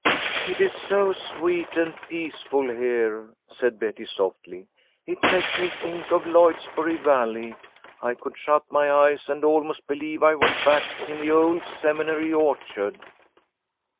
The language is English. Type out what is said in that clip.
"It's so sweet and peaceful here," said Betty, softly. "It makes me think of Lloydsboro Valley. I could shut my eyes and almost believe I was back in the old Seminary orchard."